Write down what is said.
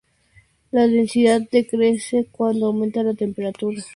La densidad decrece cuando aumenta la temperatura y crece con la salinidad.